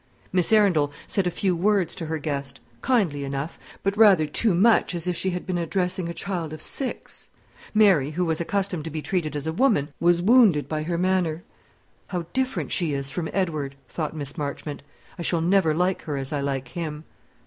Miss Arundel said a few words to her guest; kindly enough; but rather too much as if she had been addressing a child of six. Mary, who was accustomed to be treated as a woman, was wounded by her manner. "How different she is from Edward!" thought Miss Marchmont. "I shall never like her as I like him."